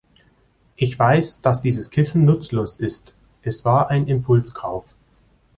Ich weiß, dass dieses Kissen nutzlos ist, es war ein Impulskauf.